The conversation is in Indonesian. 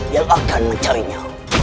yang akan mencarinya